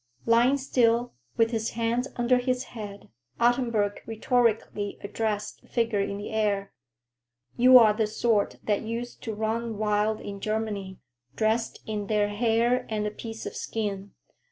Lying still, with his hands under his head, Ottenburg rhetorically addressed the figure in the air. "You are the sort that used to run wild in Germany, dressed in their hair and a piece of skin.